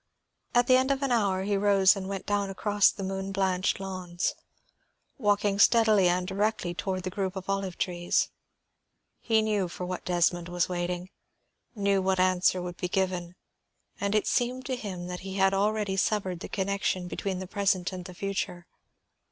At the end of an hour he rose and went down across the moon blanched lawns, walking steadily and directly toward the group of olive trees. He knew for what Desmond was waiting, knew what answer would be given, and it seemed to him that he had already severed the connection between the present and the future.